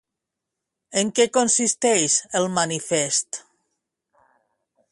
En què consisteix el manifest?